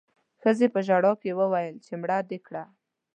ښځې په ژړا کې وويل چې مړه دې کړه